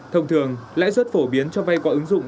thông thường lãi rất phổ biến cho vay qua ứng dụng